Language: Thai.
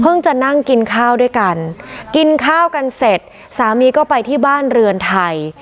จะนั่งกินข้าวด้วยกันกินข้าวกันเสร็จสามีก็ไปที่บ้านเรือนไทย